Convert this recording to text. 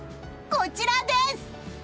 こちらです！